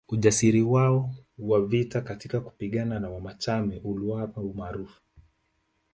Ujasiri wao wa vita katika kupigana na Wamachame uliwapa umaarufu